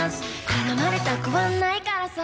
「絡まれたくはないからさ」